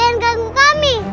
jangan ganggu kami